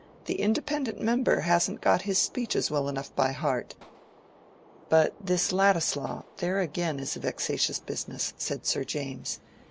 "The independent member hasn't got his speeches well enough by heart." "But this Ladislaw—there again is a vexatious business," said Sir James.